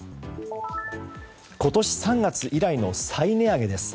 今年３月以来の再値上げです。